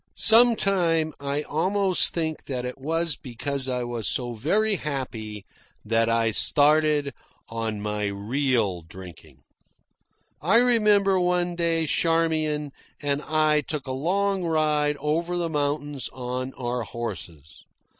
Sometimes I almost think that it was because I was so very happy that I started on my real drinking. I remember one day Charmian and I took a long ride over the mountains on our horses.